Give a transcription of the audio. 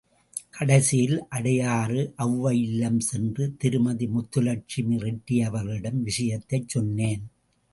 கடைசியில் அடையாறு ஒளவை இல்லம் சென்று திருமதி முத்துலட்சுமி ரெட்டி அவர்களிடம் விஷயத்தைச் சொன்னேன்.